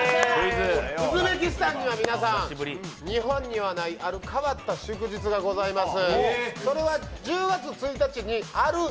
ウズベキスタンには日本にはないある変わった祝日がございます。